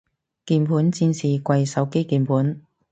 鍵盤戰士跪手機鍵盤